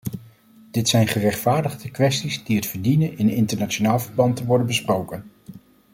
Dit zijn gerechtvaardigde kwesties die het verdienen in internationaal verband te worden besproken.